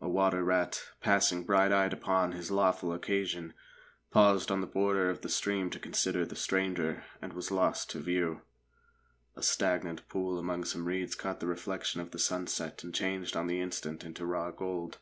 A water rat, passing bright eyed upon his lawful occasion, paused on the border of the stream to consider the stranger, and was lost to view. A stagnant pool among some reeds caught the reflection of the sunset and changed on the instant into raw gold.